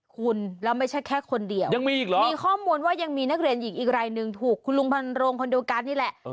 คุณแล้วไม่ใช่แค่คนเดียวมีข้อมูลว่ายังมีนักเรียนอีกอะไรหนึ่งถูกคุณลุงพันโรงคนนี้แหละ